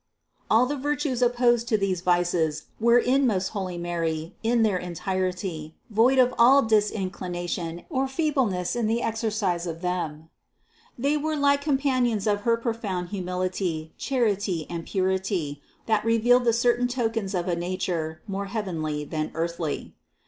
All the virtues opposed to these vices were in most holy Mary in their entirety, void of all disinclina tion or feebleness in the exercise of them. They were like companions of her profound humility, charity and purity, that revealed the certain tokens of a nature more heavenly than earthly. 595.